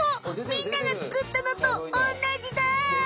みんながつくったのとおんなじだ！